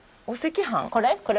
これ？